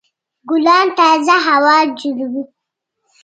ګلان تازه هوا جوړوي.